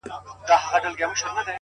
چي د پايزېب د شرنگولو کيسه ختمه نه ده’